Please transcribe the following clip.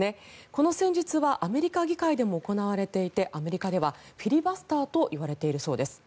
この戦術はアメリカ議会で行われていてアメリカではフィリバスターと言われているそうです。